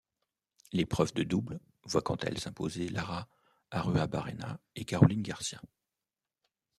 L'épreuve de double voit quant à elle s'imposer Lara Arruabarrena et Caroline Garcia.